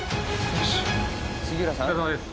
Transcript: お疲れさまです。